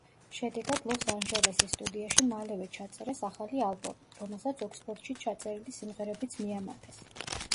შედეგად, ლოს-ანჟელესის სტუდიაში მალევე ჩაწერეს ახალი ალბომი, რომელსაც ოქსფორდში ჩაწერილი სიმღერებიც მიამატეს.